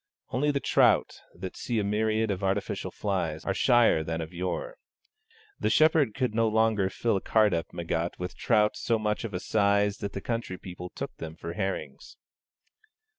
Only the trout, that see a myriad of artificial flies, are shyer than of yore. The Shepherd could no longer fill a cart up Meggat with trout so much of a size that the country people took them for herrings.